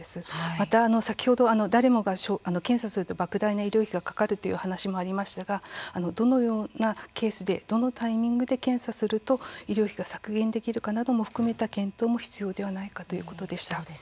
また、先ほど誰もが検査するとばく大な医療費がかかるという話がありましたがどのようなケースでどのタイミングで検査すると医療費が削減できるかなども含めた検討も必要ではないかということでした。